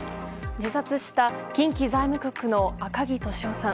自殺した近畿財務局の赤木俊夫さん。